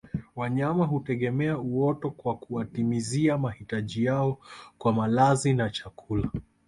Wanyama hutegemea uoto kwa kuwatimizia mahitaji yao kwa malazi na chakula